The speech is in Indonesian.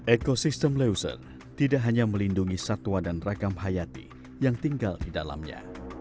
ekosistem leuser tidak hanya melindungi satwa dan ragam hayati yang tinggal di dalamnya